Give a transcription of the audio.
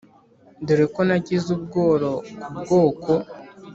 dore ko nagize ubworo ku bwoko